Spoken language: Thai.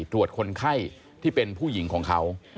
ตรวจคนไข้ที่เป็นผู้หญิงของเขา